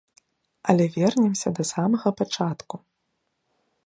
Але вернемся да самага пачатку.